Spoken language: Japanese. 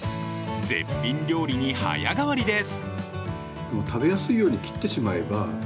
絶品料理に早変わりです。